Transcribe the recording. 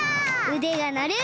うでがなる。